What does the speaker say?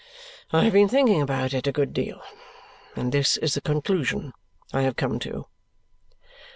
I have been thinking about it a good deal, and this is the conclusion I have come to."